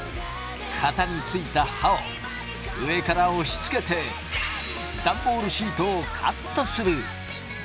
型についた刃を上から押しつけてダンボールシートをカットする。